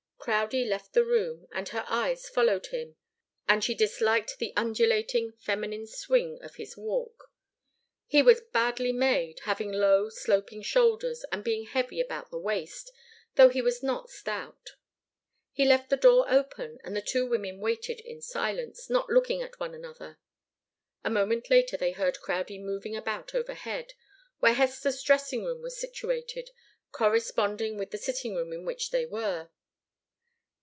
Crowdie left the room, and her eyes followed him, and she disliked the undulating, feminine swing of his walk. He was badly made, having low, sloping shoulders, and being heavy about the waist, though he was not stout. He left the door open, and the two women waited in silence, not looking at one another. A moment later they heard Crowdie moving about overhead, where Hester's dressing room was situated, corresponding with the sitting room in which they were.